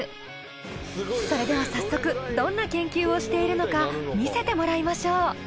それでは早速どんな研究をしているのか見せてもらいましょう。